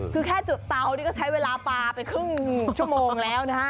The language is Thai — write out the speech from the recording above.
คือแค่จุดเตานี่ก็ใช้เวลาปลาไปครึ่งชั่วโมงแล้วนะฮะ